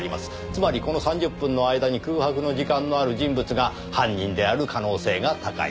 つまりこの３０分の間に空白の時間のある人物が犯人である可能性が高い。